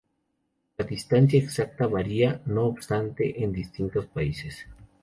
La distancia exacta varía, no obstante, en distintos países.